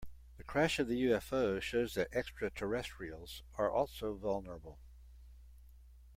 The crash of the UFO shows that extraterrestrials are also vulnerable.